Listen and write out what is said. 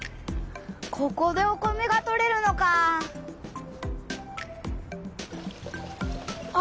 ここでお米がとれるのかあ！